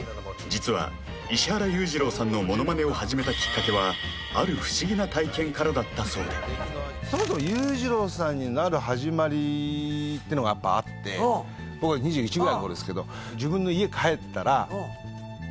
実は石原裕次郎さんのものまねを始めたきっかけはある不思議な体験からだったそうでそもそも裕次郎さんになる始まりってのがやっぱあって僕が嘘やん